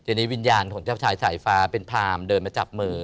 ทีนี้วิญญาณของเจ้าชายสายฟ้าเป็นพรามเดินมาจับมือ